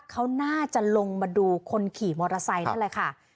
เขาน่าจะลงมาดูคนขี่มอเตอร์ไซค์นั่นแหละค่ะ